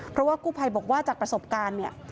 เพราะว่ากู้ภัยบอกว่าจากประสบการณ์เนี่ย